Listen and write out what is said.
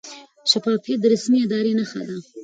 شفافیت د سمې ادارې نښه ده.